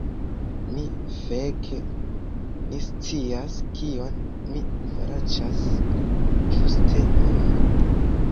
Mi feke ne scias kion mi faraĉas ĝuste nun!